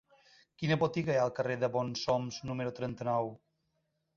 Quina botiga hi ha al carrer de Bonsoms número trenta-nou?